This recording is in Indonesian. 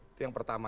itu yang pertama